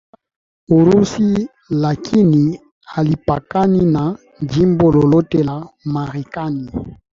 kuelekea Urusi lakini halipakani na jimbo lolote la Marekani